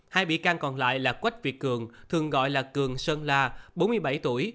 hai bị can còn lại là quách việt cường thường gọi là cường sơn la bốn mươi bảy tuổi